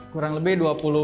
kurang lebih dua puluh